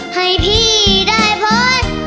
ให้พี่ได้พร